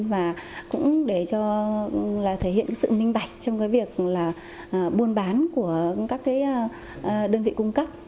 và cũng để thể hiện sự minh bạch trong việc buôn bán của các đơn vị cung cấp